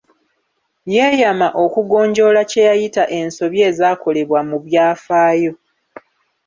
Yeeyama okugonjoola kye yayita ensobi ezaakolebwa mu byafaayo.